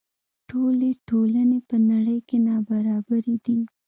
ټولې ټولنې په نړۍ کې نابرابرې دي.